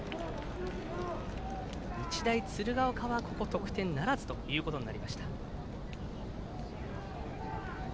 日大鶴ヶ丘は、得点ならずということになりました。